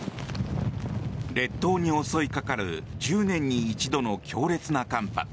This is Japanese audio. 列島に襲いかかる１０年に一度の強烈な寒波。